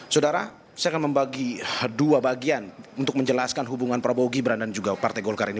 saudara saya akan membagi dua bagian untuk menjelaskan hubungan prabowo gibran dan juga partai golkar ini